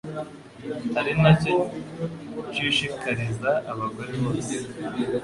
ari na cyo nshishikariza abagore bose